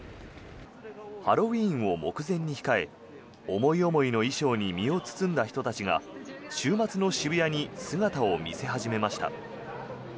ハロウィーンを目前に控え思い思いの衣装に身を包んだ人たちが週末の渋谷に姿を見せ始めました。